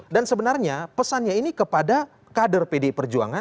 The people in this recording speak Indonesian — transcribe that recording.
dan sebenarnya pesannya ini kepada kader pdi perjuangan